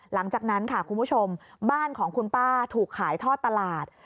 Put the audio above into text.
หลังจากนั้นค่ะคุณผู้ชมบ้านของคุณป้าถูกขายทอดตลาด